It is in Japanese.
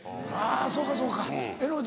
あぁそうかそうか江上